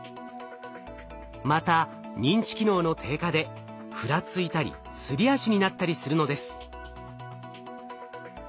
また認知機能の低下でふらついたりすり足になったりするのです。